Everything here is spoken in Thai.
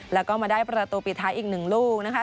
แล้วก็มาได้ประตูปิดท้ายอีก๑ลูกนะคะ